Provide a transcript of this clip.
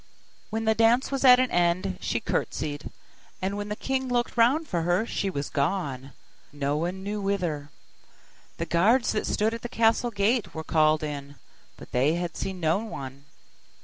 When the dance was at an end she curtsied; and when the king looked round for her, she was gone, no one knew wither. The guards that stood at the castle gate were called in: but they had seen no one.